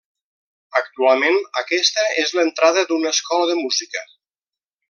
Actualment, aquesta és l'entrada d'una escola de música.